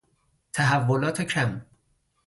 تحولات کم